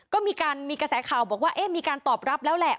ก็มีการมีกระแสข่าวบอกว่ามีการตอบรับแล้วแหละ